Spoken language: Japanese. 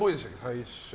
最初。